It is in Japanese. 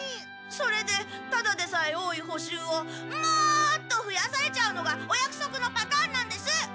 それでただでさえ多いほ習をもっとふやされちゃうのがおやくそくのパターンなんです！